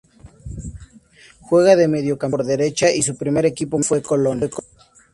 Juega de mediocampista por derecha y su primer equipo fue Colón.